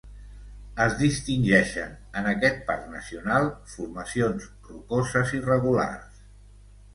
Es distingeixen en aquest parc nacional formacions rocoses irregulars.